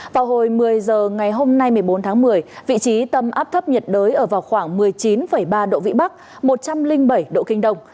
vào hồi một mươi h ngày hôm nay một mươi bốn tháng một mươi vị trí tâm áp thấp nhiệt đới ở vào khoảng một mươi chín ba độ vĩ bắc một trăm linh bảy độ kinh đông